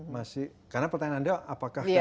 masih karena pertanyaan anda apakah